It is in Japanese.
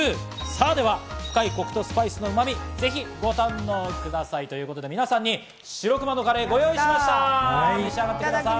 さぁ、では深いコクとスパイスのうまみ、ぜひご堪能ください。ということで皆さんに４６ｍａのカレーをご用意しました、召し上がってください。